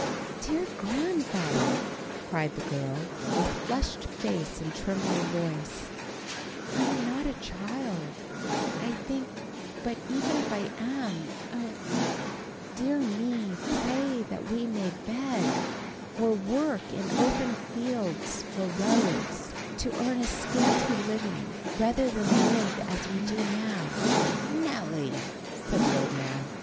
"Dear grandfather," cried the girl, with flushed face and trembling voice, "I am not a child, I think; but even if I am, oh, hear me pray that we may beg, or work in open roads or fields, to earn a scanty living, rather than live as we do now." "Nelly!" said the old man.